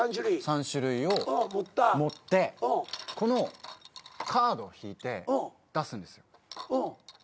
３種類を持ってこのカードを引いて出すんですよ。